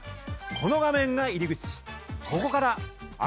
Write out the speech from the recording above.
この画面が入り口。